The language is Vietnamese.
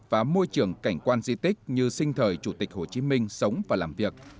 và môi trường cảnh quan di tích như sinh thời chủ tịch hồ chí minh sống và làm việc